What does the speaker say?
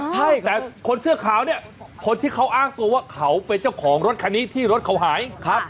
ใช่แต่คนเสื้อขาวเนี่ยคนที่เขาอ้างตัวว่าเขาเป็นเจ้าของรถคันนี้ที่รถเขาหายครับ